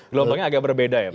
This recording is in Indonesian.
gelombangnya agak berbeda ya pak